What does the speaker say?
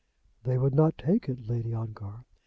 "They would not take it, Lady Ongar."